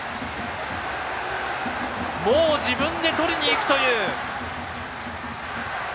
もう自分でとりにいくという。